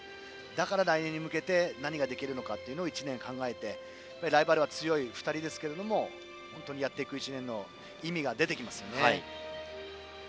だから来年に向けて何ができるか１年考えてライバルは強い２人ですけれどもやっていく１年の意味が出てきますよね。